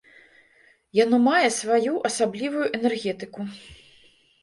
Яно мае сваю асаблівую энергетыку.